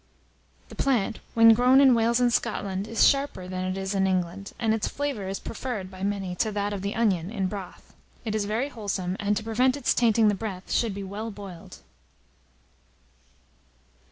The plant, when grown in Wales and Scotland, is sharper than it is in England, and its flavour is preferred by many to that of the onion in broth. It is very wholesome, and, to prevent its tainting the breath, should be well boiled.